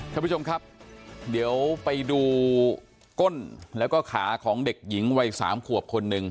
ท่านผู้ชมครับเดี๋ยวไปดูก้นแล้วก็ขาของเด็กหญิงวัยสามขวบคนหนึ่ง